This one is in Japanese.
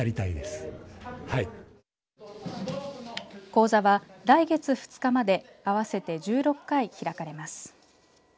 講座は来月２日まで合わせて１６回開かれます。